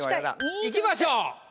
いきましょう。